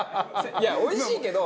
いやおいしいけど。